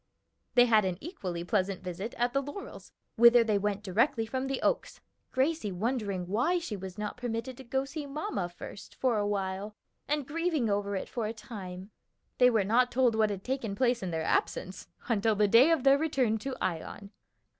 They had an equally pleasant visit at the Laurels, whither they went directly from the Oaks, Gracie wondering why she was not permitted to go to see mamma first for a while, and grieving over it for a time. They were not told what had taken place in their absence, until the day of their return to Ion.